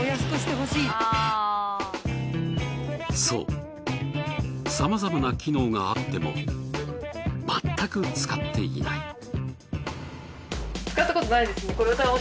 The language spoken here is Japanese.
そうさまざまな機能があってもまったく使っていない。